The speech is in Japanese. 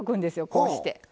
こうして。